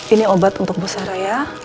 ini obat untuk bu sarah ya